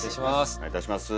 お願いいたします。